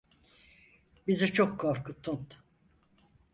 Bizi çok korkuttun.